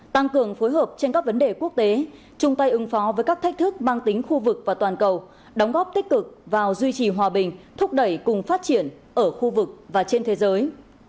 tăng cường phối hợp trên các vấn đề quốc tế chung tay ứng phó với các thách thức mang tính khu vực và toàn cầu đóng góp tích cực vào duy trì hòa bình thúc đẩy cùng phát triển ở khu vực và trên thế giới